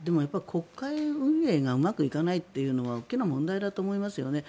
国会運営がうまくいかないというのは大きな問題だと思いますよね。